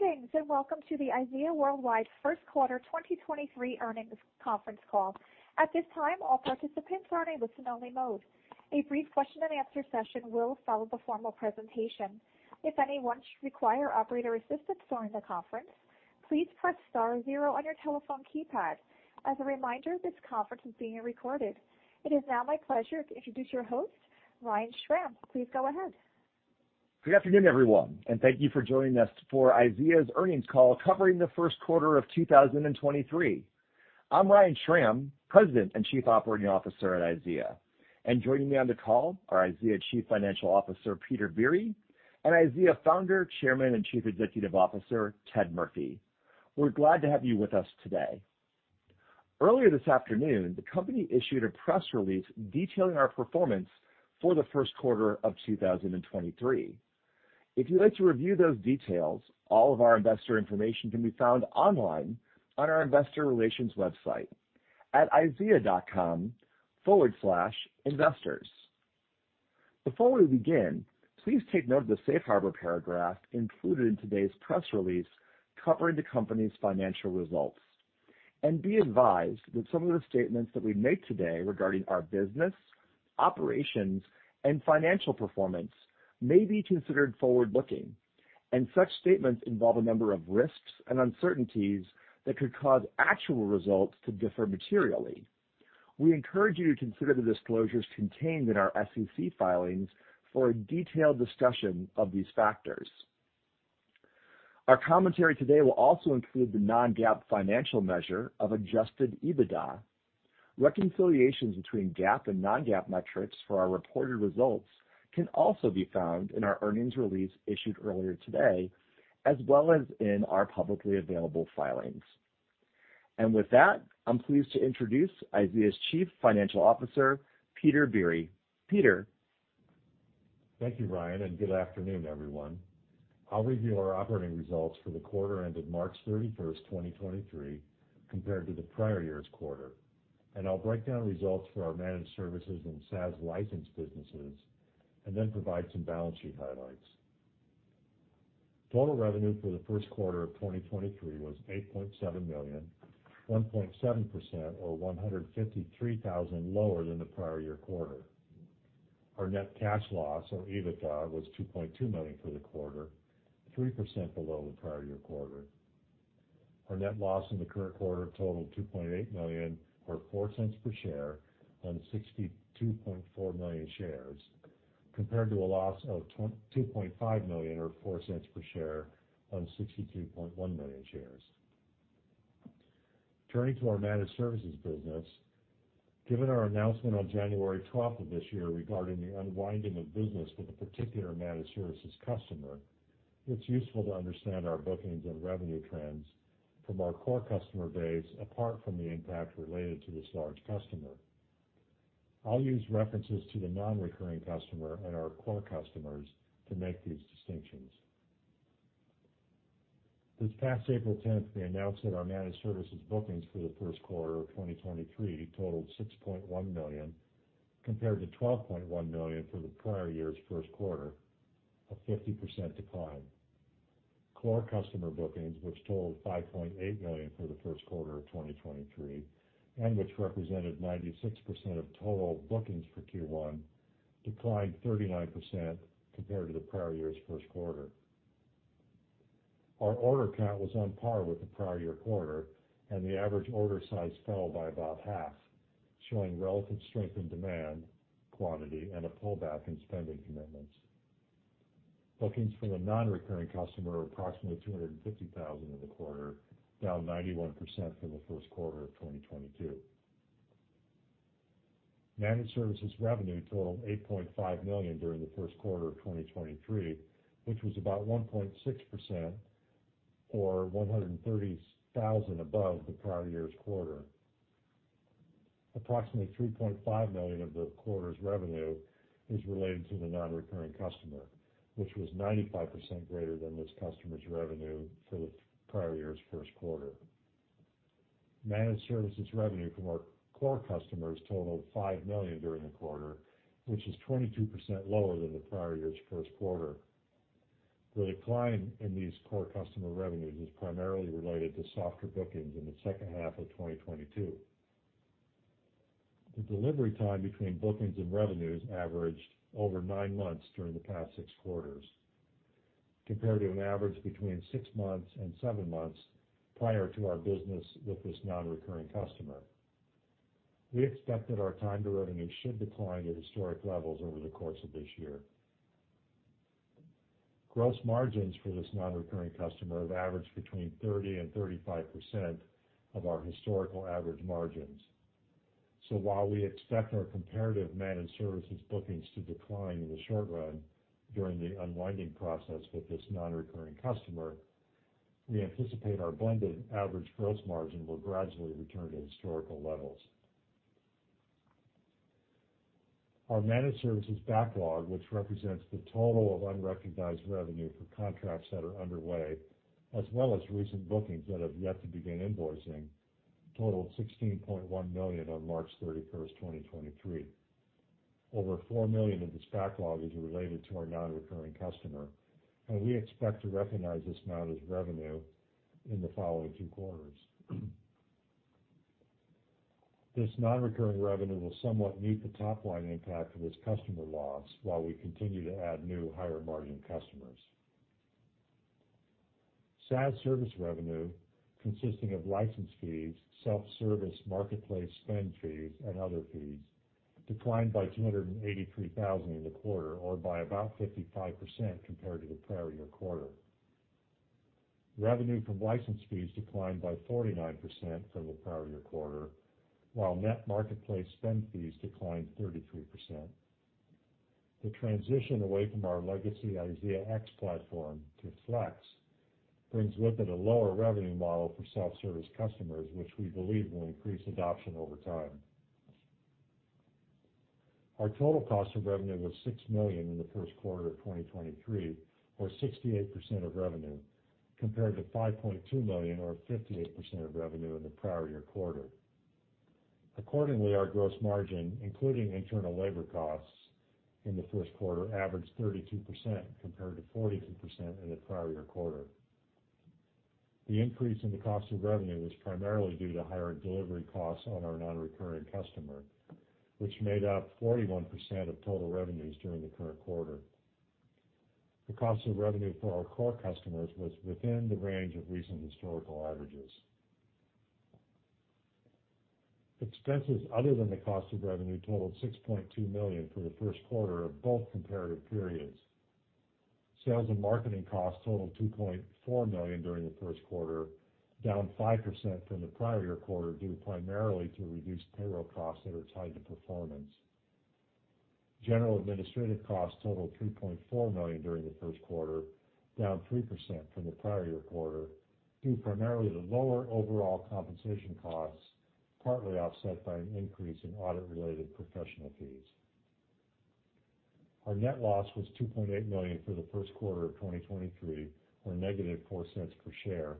Greetings. Welcome to the IZEA Worldwide Q1 2023 Earnings Conference Call. At this time, all participants are in listen-only mode. A brief Q session will follow the formal presentation. If anyone should require operator assistance during the conference, please press star zero on your telephone keypad. As a reminder, this conference is being recorded. It is now my pleasure to introduce your host, Ryan Schram. Please go ahead. Good afternoon, everyone, and thank you for joining us for IZEA's earnings call covering the Q1 of 2023. I'm Ryan Schram, President and Chief Operating Officer at IZEA. And joining me on the call are IZEA Chief Financial Officer, Peter Biere, and IZEA Founder, Chairman, and Chief Executive Officer, Ted Murphy. We're glad to have you with us today. Earlier this afternoon, the company issued a press release detailing our performance for the Q1 of 2023. If you'd like to review those details, all of our investor information can be found online on our investor relations website at izea.com/investors. Before we begin, please take note of the safe harbor paragraph included in today's press release covering the company's financial results, and be advised that some of the statements that we make today regarding our business, operations, and financial performance may be considered forward-looking, and such statements involve a number of risks and uncertainties that could cause actual results to differ materially. We encourage you to consider the disclosures contained in our SEC filings for a detailed discussion of these factors. Our commentary today will also include the non-GAAP financial measure of adjusted EBITDA. Reconciliations between GAAP and non-GAAP metrics for our reported results can also be found in our earnings release issued earlier today, as well as in our publicly available filings. With that, I'm pleased to introduce IZEA's Chief Financial Officer, Peter Biere. Peter? Thank you, Ryan. Good afternoon, everyone. I'll review our operating results for the quarter ended March 31, 2023, compared to the prior year's quarter, and I'll break down results for our managed services and SaaS license businesses then provide some balance sheet highlights. Total revenue for the first quarter of 2023 was $8.7 million, 1.7% or $153,000 lower than the prior year quarter. Our net cash loss or EBITDA was $2.2 million for the quarter, 3% below the prior year quarter. Our net loss in the current quarter totaled $2.8 million or $0.04 per share on 62.4 million shares, compared to a loss of $2.5 million or $0.04 per share on 62.1 million shares. Turning to our managed services business. Given our announcement on January 12th of this year regarding the unwinding of business with a particular managed services customer, it's useful to understand our bookings and revenue trends from our core customer base apart from the impact related to this large customer. I'll use references to the non-recurring customer and our core customers to make these distinctions. This past April 10th, we announced that our managed services bookings for the Q1 of 2023 totaled $6.1 million, compared to $12.1 million for the prior year's Q1, a 50% decline. Core customer bookings, which totaled $5.8 million for the first quarter of 2023, and which represented 96% of total bookings for Q1, declined 39% compared to the prior year's Q1. Our order count was on par with the prior year quarter. The average order size fell by about half, showing relative strength in demand quantity and a pullback in spending commitments. Bookings from the non-recurring customer are approximately $250,000 in the quarter, down 91% from the Q1 of 2022. Managed services revenue totaled $8.5 million during the first quarter of 2023, which was about 1.6% or $130,000 above the prior year's quarter. Approximately $3.5 million of the quarter's revenue is related to the non-recurring customer, which was 95% greater than this customer's revenue for the prior year's first quarter. Managed services revenue from our core customers totaled $5 million during the quarter, which is 22% lower than the prior year's Q1. The decline in these core customer revenues is primarily related to softer bookings in the second half of 2022. The delivery time between bookings and revenues averaged over nine months during the past six quarters, compared to an average between six months and seven months prior to our business with this non-recurring customer. We expect that our time to revenue should decline to historic levels over the course of this year. Gross margins for this non-recurring customer have averaged between 30% and 35% of our historical average margins. While we expect our comparative managed services bookings to decline in the short run during the unwinding process with this non-recurring customer, we anticipate our blended average gross margin will gradually return to historical levels. Our managed services backlog, which represents the total of unrecognized revenue for contracts that are underway, as well as recent bookings that have yet to begin invoicing, totaled $16.1 million on March 31, 2023. Over $4 million of this backlog is related to our nonrecurring customer, and we expect to recognize this amount as revenue in the following two quarters. This nonrecurring revenue will somewhat meet the top-line impact of this customer loss while we continue to add new higher-margin customers. SaaS service revenue, consisting of license fees, self-service marketplace spend fees, and other fees, declined by $283,000 in the quarter, or by about 55% compared to the prior year quarter. Revenue from license fees declined by 49% from the prior year quarter, while net marketplace spend fees declined 33%. The transition away from our legacy IZEAx platform to Flex brings with it a lower revenue model for self-service customers, which we believe will increase adoption over time. Our total cost of revenue was $6 million in the Q1 of 2023, or 68% of revenue, compared to $5.2 million or 58% of revenue in the prior year quarter. Accordingly, our gross margin, including internal labor costs in the first quarter, averaged 32% compared to 42% in the prior year quarter. The increase in the cost of revenue was primarily due to higher delivery costs on our non-recurring customer, which made up 41% of total revenues during the current quarter. The cost of revenue for our core customers was within the range of recent historical averages. Expenses other than the cost of revenue totaled $6.2 million for the first quarter of both comparative periods. Sales and marketing costs totaled $2.4 million during the Q1, down 5% from the prior year quarter, due primarily to reduced payroll costs that are tied to performance. general administrative costs totaled $3.4 million during the Q1, down 3% from the prior year quarter, due primarily to lower overall compensation costs, partly offset by an increase in audit-related professional fees. Our net loss was $2.8 million for the Q1 of 2023, or -$0.04 per share,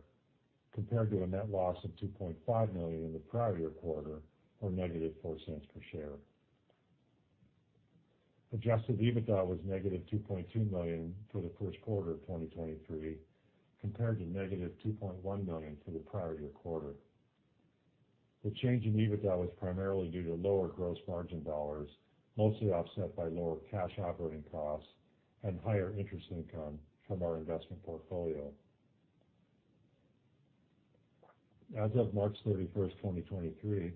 compared to a net loss of $2.5 million in the prior year quarter, or -$0.04 per share. Adjusted EBITDA was -$2.2 million for the first quarter of 2023, compared to -$2.1 million for the prior year quarter. The change in EBITDA was primarily due to lower gross margin dollars, mostly offset by lower cash operating costs and higher interest income from our investment portfolio. As of March 31st, 2023,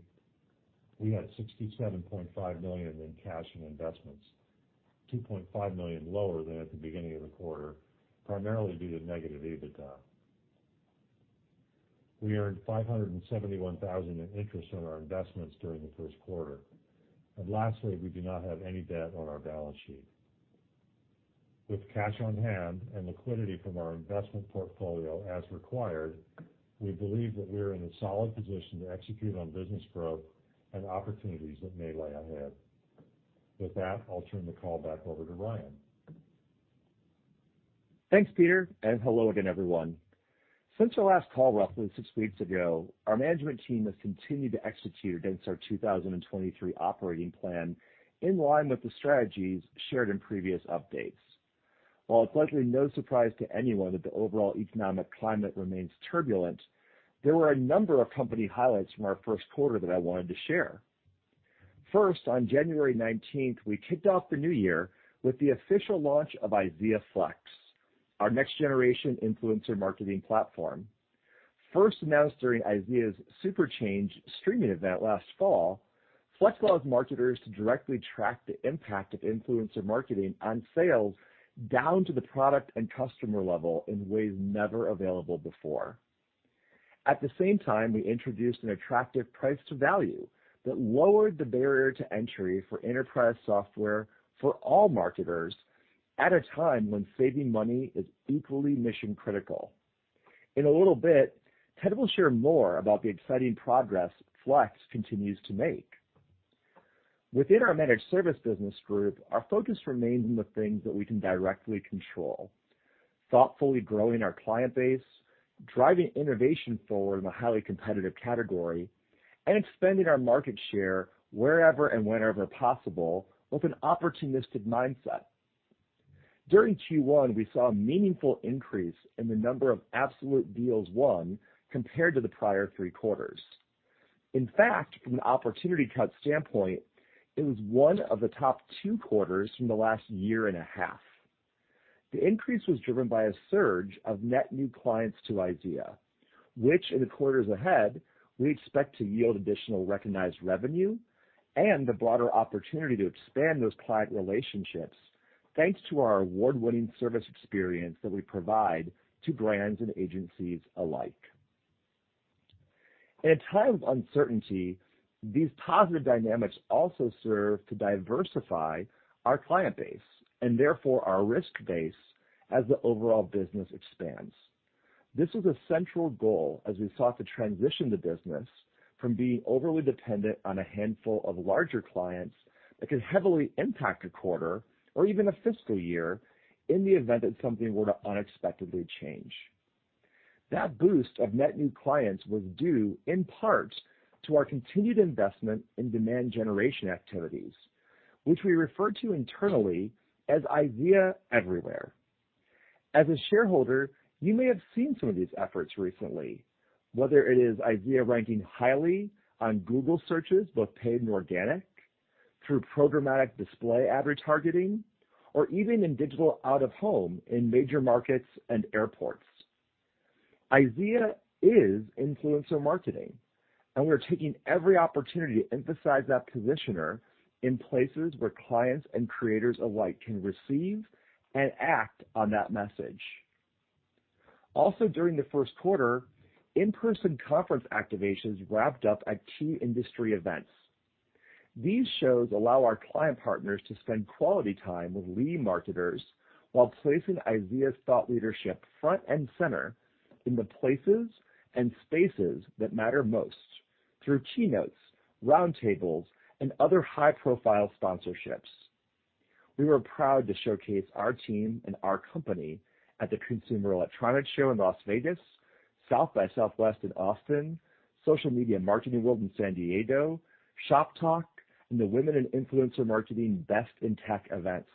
we had $67.5 million in cash and investments, $2.5 million lower than at the beginning of the quarter, primarily due to negative EBITDA. We earned $571,000 in interest on our investments during the Q1. Lastly, we do not have any debt on our balance sheet. With cash on hand and liquidity from our investment portfolio as required, we believe that we are in a solid position to execute on business growth and opportunities that may lie ahead. With that, I'll turn the call back over to Ryan. Thanks, Peter. Hello again, everyone. Since our last call roughly six weeks ago, our management team has continued to execute against our 2023 operating plan in line with the strategies shared in previous updates. While it's likely no surprise to anyone that the overall economic climate remains turbulent, there were a number of company highlights from our Q1 that I wanted to share. First, on January 19th, we kicked off the new year with the official launch of IZEA Flex, our next-generation influencer marketing platform. First announced during IZEA's SUPERCHANGED streaming event last fall, Flex allows marketers to directly track the impact of influencer marketing on sales down to the product and customer level in ways never available before. At the same time, we introduced an attractive price to value that lowered the barrier to entry for enterprise software for all marketers at a time when saving money is equally mission-critical. In a little bit, Ted will share more about the exciting progress Flex continues to make. Within our managed service business group, our focus remains on the things that we can directly control, thoughtfully growing our client base, driving innovation forward in a highly competitive category, and expanding our market share wherever and whenever possible with an opportunistic mindset. During Q1, we saw a meaningful increase in the number of absolute deals won compared to the prior three quarters. In fact, from an opportunity cut standpoint, it was one of the top two quarters from the last year and a half. The increase was driven by a surge of net new clients to IZEA, which in the quarters ahead, we expect to yield additional recognized revenue and the broader opportunity to expand those client relationships thanks to our award-winning service experience that we provide to brands and agencies alike. In a time of uncertainty, these positive dynamics also serve to diversify our client base and therefore our risk base as the overall business expands. This was a central goal as we sought to transition the business from being overly dependent on a handful of larger clients that could heavily impact a quarter or even a fiscal year in the event that something were to unexpectedly change. That boost of net new clients was due in part to our continued investment in demand generation activities, which we refer to internally as IZEA Everywhere. As a shareholder, you may have seen some of these efforts recently, whether it is IZEA ranking highly on Google searches, both paid and organic, through programmatic display ad retargeting, or even in digital out-of-home in major markets and airports. IZEA is influencer marketing, and we're taking every opportunity to emphasize that positioner in places where clients and creators alike can receive and act on that message. Also, during the first quarter, in-person conference activations wrapped up at key industry events. These shows allow our client partners to spend quality time with lead marketers while placing IZEA's thought leadership front and center in the places and spaces that matter most through keynotes, round tables, and other high-profile sponsorships. We were proud to showcase our team and our company at the Consumer Electronics Show in Las Vegas, South by Southwest in Austin, Social Media Marketing World in San Diego, Shoptalk, and the Women in Influencer Marketing Best in Tech events.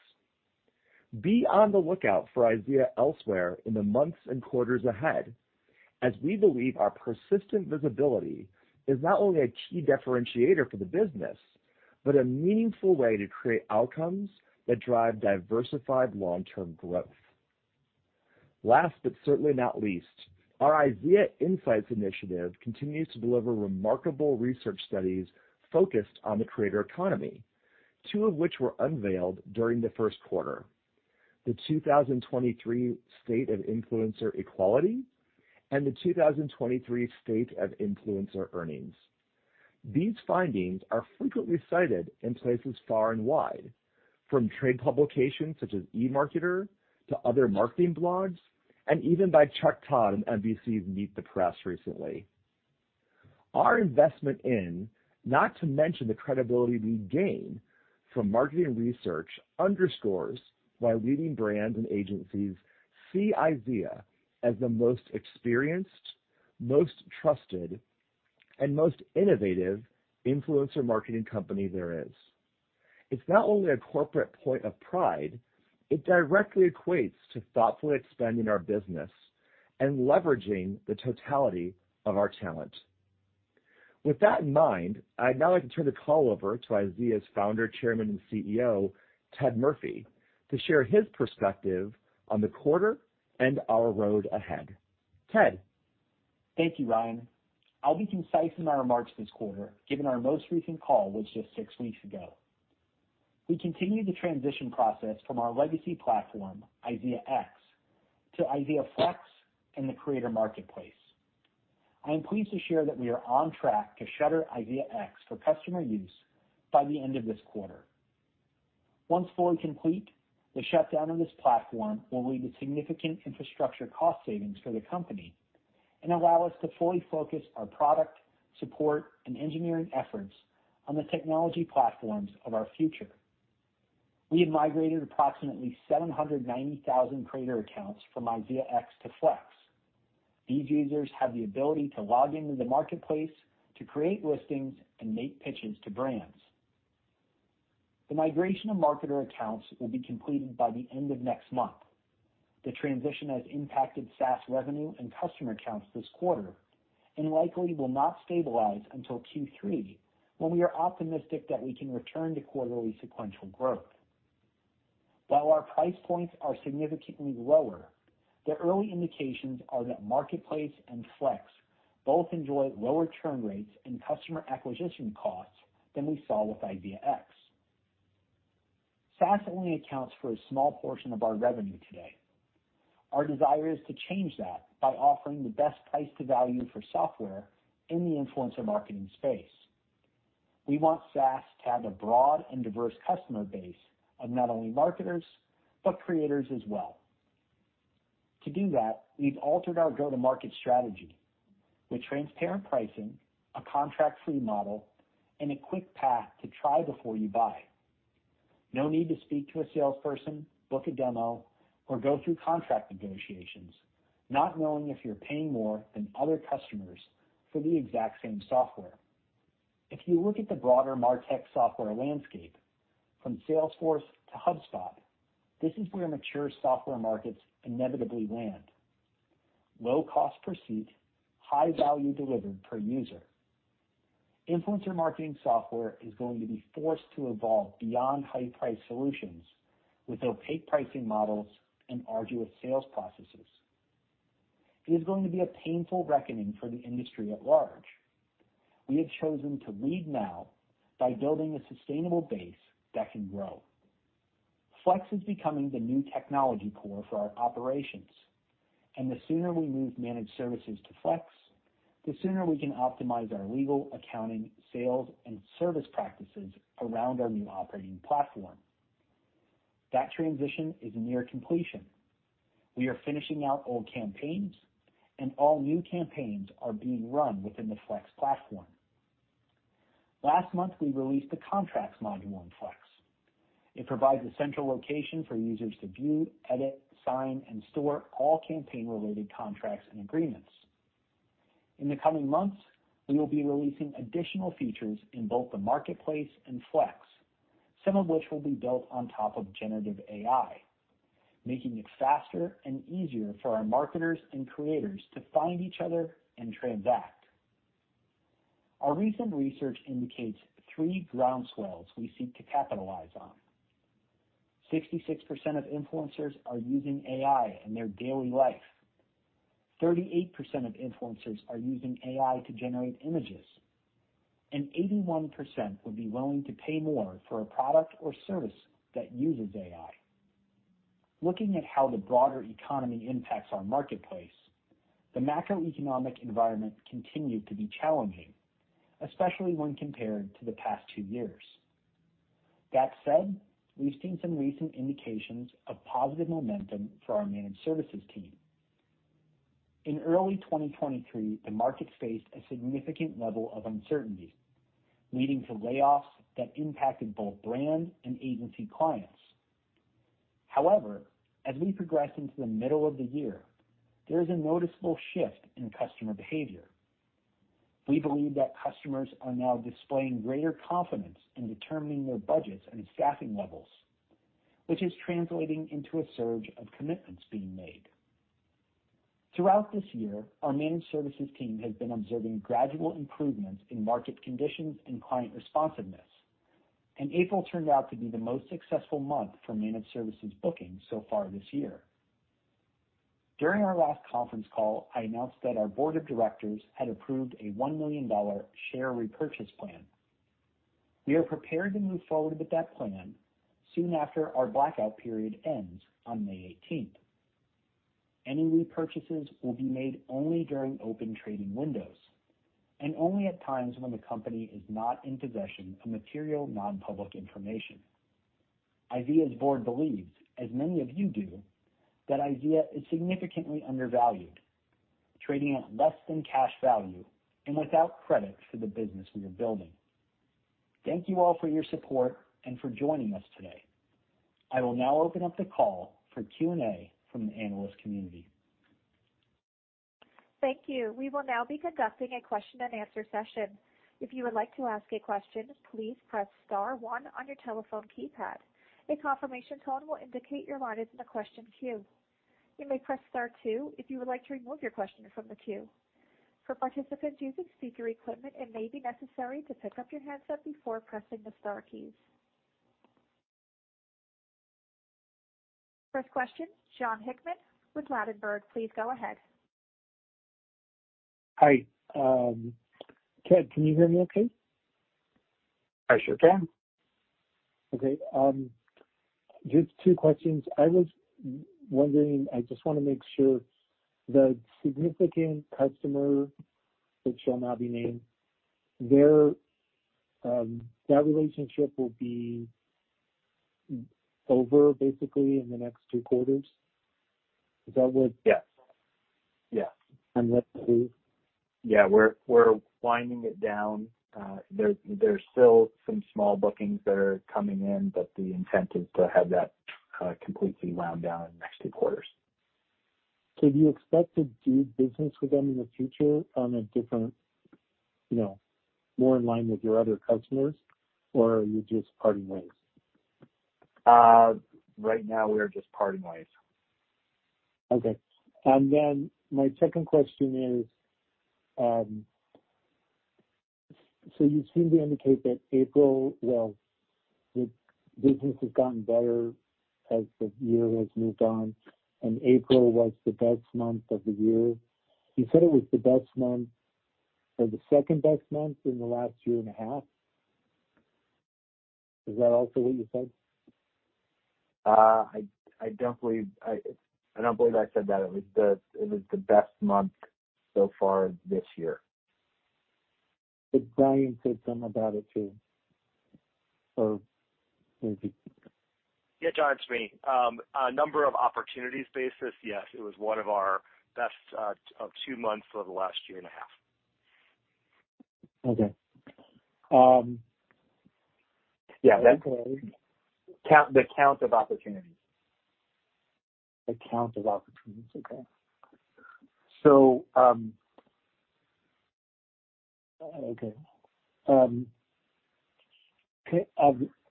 Be on the lookout for IZEA elsewhere in the months and quarters ahead, as we believe our persistent visibility is not only a key differentiator for the business, but a meaningful way to create outcomes that drive diversified long-term growth. Last, but certainly not least, our IZEA Insights initiative continues to deliver remarkable research studies focused on the creator economy, two of which were unveiled during the Q1: the 2023 State of Influencer Equality and the 2023 State of Influencer Earnings. These findings are frequently cited in places far and wide, from trade publications such as eMarketer to other marketing blogs, and even by Chuck Todd on NBC's Meet the Press recently. Our investment in, not to mention the credibility we gain from marketing research underscores why leading brands and agencies see IZEA as the most experienced, most trusted, and most innovative influencer marketing company there is. It's not only a corporate point of pride, it directly equates to thoughtfully expanding our business and leveraging the totality of our talent. With that in mind, I'd now like to turn the call over to IZEA's Founder, Chairman, and Chief Executive Officer, Ted Murphy, to share his perspective on the quarter and our road ahead. Ted? Thank you, Ryan. I'll be concise in my remarks this quarter, given our most recent call was just 6 weeks ago. We continue the transition process from our legacy platform, IZEAx, to IZEA Flex and The Creator Marketplace. I am pleased to share that we are on track to shutter IZEAx for customer use by the end of this quarter. Once fully complete, the shutdown of this platform will lead to significant infrastructure cost savings for the company and allow us to fully focus our product, support, and engineering efforts on the technology platforms of our future. We have migrated approximately 790,000 creator accounts from IZEAx to Flex. These users have the ability to log into the marketplace to create listings and make pitches to brands. The migration of marketer accounts will be completed by the end of next month. The transition has impacted SaaS revenue and customer accounts this quarter and likely will not stabilize until Q3, when we are optimistic that we can return to quarterly sequential growth. While our price points are significantly lower, the early indications are that Marketplace and Flex both enjoy lower churn rates and customer acquisition costs than we saw with IZEAx. SaaS only accounts for a small portion of our revenue today. Our desire is to change that by offering the best price to value for software in the influencer marketing space. We want SaaS to have a broad and diverse customer base of not only marketers, but creators as well. To do that, we've altered our go-to-market strategy with transparent pricing, a contract-free model, and a quick path to try before you buy. No need to speak to a salesperson, book a demo, or go through contract negotiations, not knowing if you're paying more than other customers for the exact same software. If you look at the broader MarTech software landscape, from Salesforce to HubSpot, this is where mature software markets inevitably land. Low cost per seat, high value delivered per user. Influencer marketing software is going to be forced to evolve beyond high-priced solutions with opaque pricing models and arduous sales processes. It is going to be a painful reckoning for the industry at large. We have chosen to lead now by building a sustainable base that can grow. Flex is becoming the new technology core for our operations, and the sooner we move managed services to Flex, the sooner we can optimize our legal, accounting, sales, and service practices around our new operating platform. That transition is near completion. We are finishing out old campaigns, and all new campaigns are being run within the Flex platform. Last month, we released the contracts module in Flex. It provides a central location for users to view, edit, sign, and store all campaign-related contracts and agreements. In the coming months, we will be releasing additional features in both the Marketplace and Flex, some of which will be built on top of generative AI, making it faster and easier for our marketers and creators to find each other and transact. Our recent research indicates three ground swells we seek to capitalize on. 66% of influencers are using AI in their daily life. 38% of influencers are using AI to generate images, and 81% would be willing to pay more for a product or service that uses AI. Looking at how the broader economy impacts our marketplace, the macroeconomic environment continued to be challenging, especially when compared to the past two years. That said, we've seen some recent indications of positive momentum for our managed services team. In early 2023, the market faced a significant level of uncertainty, leading to layoffs that impacted both brand and agency clients. However, as we progress into the middle of the year, there is a noticeable shift in customer behavior. We believe that customers are now displaying greater confidence in determining their budgets and staffing levels, which is translating into a surge of commitments being made. Throughout this year, our managed services team has been observing gradual improvements in market conditions and client responsiveness. In April turned out to be the most successful month for managed services bookings so far this year. During our last conference call, I announced that our board of directors had approved a $1 million share repurchase plan. We are prepared to move forward with that plan soon after our blackout period ends on May 18th. Any repurchases will be made only during open trading windows and only at times when the company is not in possession of material non-public information. IZEA's board believes, as many of you do, that IZEA is significantly undervalued, trading at less than cash value and without credit for the business we are building. Thank you all for your support and for joining us today. I will now open up the call for Q&A from the analyst community. Thank you. We will now be conducting a question-and-answer session. If you would like to ask a question, please press star one on your telephone keypad. A confirmation tone will indicate your line is in the question queue. You may press star two if you would like to remove your question from the queue. For participants using speaker equipment, it may be necessary to pick up your handset before pressing the star keys. First question, Jon Hickman with Ladenburg. Please go ahead. Hi, Ted, can you hear me okay? I sure can. Okay. Just two questions. I was wondering, I just wanna make sure the significant customer, which shall not be named, their, That relationship will be over basically in the next two quarters. Is that what- Yes. Yes. That's it? Yeah, we're winding it down. There's still some small bookings that are coming in, but the intent is to have that completely wound down in the next two quarters. Do you expect to do business with them in the future on a different, you know, more in line with your other customers, or are you just parting ways? Right now we are just parting ways. Okay. My second question is, you seem to indicate that April, well, the business has gotten better as the year has moved on, and April was the best month of the year. You said it was the best month or the second-best month in the last year and a half. Is that also what you said? I don't believe I said that. It was the best month so far this year. Ryan said something about it, too. maybe- John, it's me. A number of opportunities basis, yes, it was one of our best two months of the last year and a half. Okay. Yeah, the count of opportunities. The count of opportunities. Okay.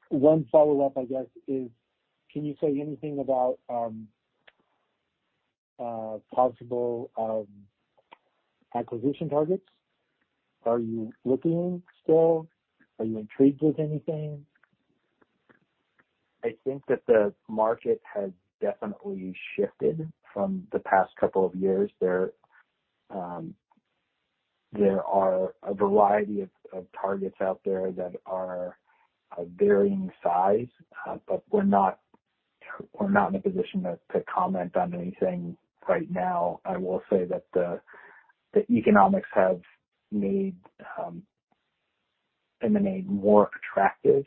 One follow-up, I guess is, can you say anything about possible acquisition targets? Are you looking still? Are you intrigued with anything? I think that the market has definitely shifted from the past couple of years. There are a variety of targets out there that are a varying size, but we're not in a position to comment on anything right now. I will say that the economics have made M&A more attractive,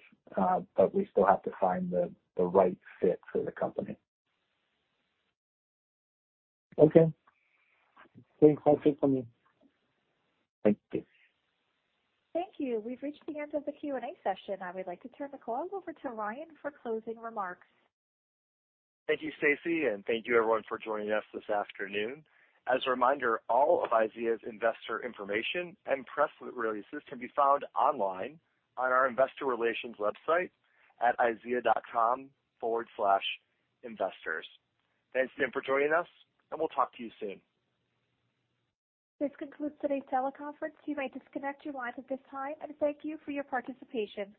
but we still have to find the right fit for the company. Okay. Great. That's it from me. Thank you. Thank you. We've reached the end of the Q&A session. I would like to turn the call over to Ryan for closing remarks. Thank you, Stacy, and thank you everyone for joining us this afternoon. As a reminder, all of IZEA's investor information and press releases can be found online on our investor relations website at izea.com/investors. Thanks again for joining us, and we'll talk to you soon. This concludes today's teleconference. You may disconnect your lines at this time, and thank you for your participation.